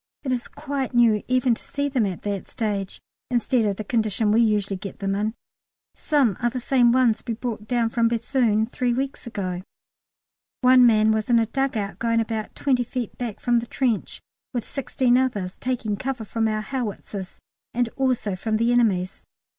It is quite new even to see them at that stage, instead of the condition we usually get them in. Some are the same ones we brought down from Béthune three weeks ago. One man was in a dug out going about twenty feet back from the trench, with sixteen others, taking cover from our howitzers and also from the enemy's.